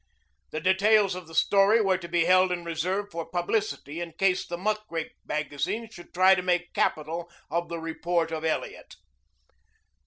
The details of the story were to be held in reserve for publicity in case the muckrake magazines should try to make capital of the report of Elliot.